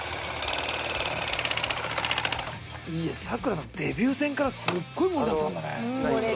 「いやさくらさんデビュー戦からすごい盛りだくさんだね」